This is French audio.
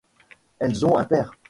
Elles ont un père.